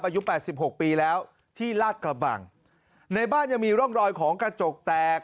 อายุแปดสิบหกปีแล้วที่ลาดกระบังในบ้านยังมีร่องรอยของกระจกแตก